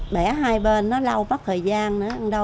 bẻ hai bên nó lâu bất thời gian